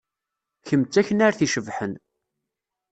Kemm d taknart icebḥen.